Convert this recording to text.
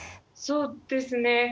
そうですね。